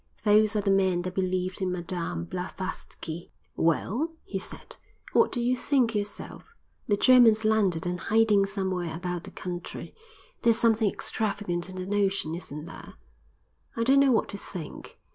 Those are the men that believed in Madame Blavatsky." "Well," he said, "what do you think yourself? The Germans landed and hiding somewhere about the country: there's something extravagant in the notion, isn't there?" "I don't know what to think.